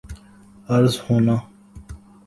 عرض ہونا